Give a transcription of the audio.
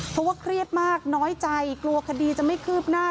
เพราะว่าเครียดมากน้อยใจกลัวคดีจะไม่คืบหน้า